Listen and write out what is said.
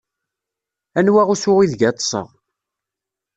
Anwa usu ideg ad ṭṭseɣ.